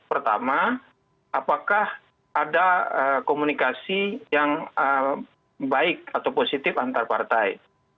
pertama apakah ada komunikasi yang baik atau positif antar partai